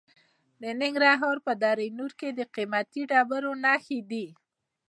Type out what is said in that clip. د ننګرهار په دره نور کې د قیمتي ډبرو نښې دي.